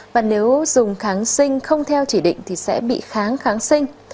và nếu dùng kháng sinh không theo chỉ định thì sẽ bị kháng kháng sinh